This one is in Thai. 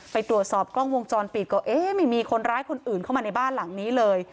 ไปตรวจสอบกล้องวงจรปิดก็เอ๊ะไม่มีคนร้ายคนอื่นเข้ามาในบ้านหลังนี้เลย